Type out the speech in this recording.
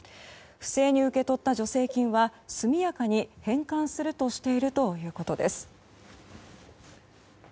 不正に受け取った助成金は速やかに返還するとしているということです。